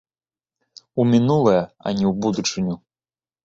У мінулае, а не ў будучыню.